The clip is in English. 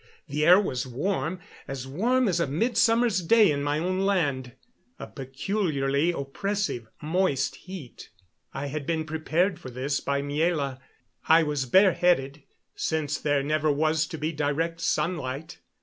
The air was warm, as warm as a midsummer's day in my own land, a peculiarly oppressive, moist heat. I had been prepared for this by Miela. I was bareheaded, since there never was to be direct sunlight.